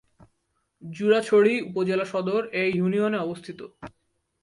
জুরাছড়ি উপজেলা সদর এ ইউনিয়নে অবস্থিত।